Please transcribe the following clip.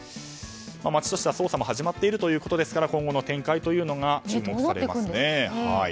町としては捜査も始まっているということですから今後の展開が注目されますね。